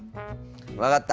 分かった！